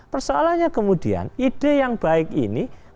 persoalannya kemudian ide yang baik ini